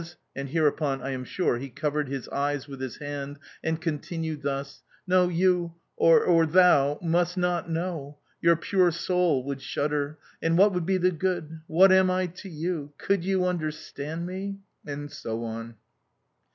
and hereupon, I am sure, he covered his eyes with his hand and continued thus, "No, you or thou must not know! Your pure soul would shudder! And what would be the good? What am I to you? Could you understand me?"... and so on.